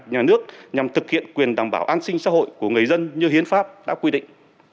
nhà nước nhằm thực hiện quyền đảm bảo an sinh xã hội của người dân như hiến pháp đã quy định